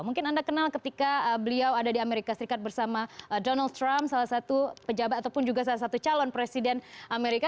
mungkin anda kenal ketika beliau ada di amerika serikat bersama donald trump salah satu pejabat ataupun juga salah satu calon presiden amerika